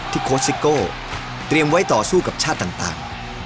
โค้ชซิโก้เตรียมไว้ต่อสู้กับชาติต่าง